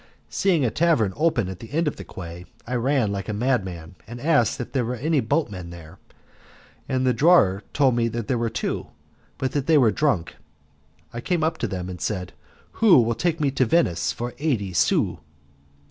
Seeing a tavern open at the end of the quay I ran like a madman, and asked if there were any boatmen there; the drawer told me there were two, but that they were drunk. I came up to them, and said, "Who will take me to Venice for eighty sous?"